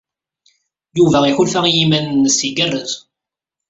Yuba iḥulfa i yiman-nnes igerrez.